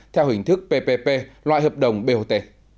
theo hình thức ppp loại hợp đồng bot